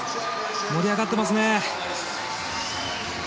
盛り上がってますね。